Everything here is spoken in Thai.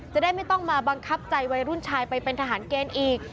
จะได้ไม่ต้องมาบังคับใจวัยรุ่นชายไปเป็นทหารเกณฑ์อีก